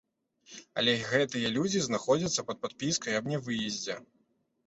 Але гэтыя людзі знаходзяцца пад падпіскай аб нявыездзе.